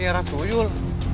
pilih arah tuyul